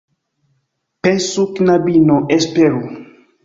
Pensu, knabino, esperu!